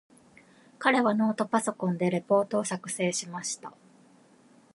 彼はノートパソコンでレポートを作成しました。